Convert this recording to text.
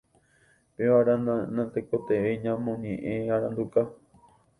Pevarã natekotevẽi ñamoñe'ẽ aranduka.